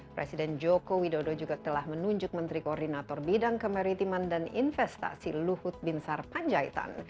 presiden joko widodo juga telah menunjuk menteri koordinator bidang kemaritiman dan investasi luhut binsar panjaitan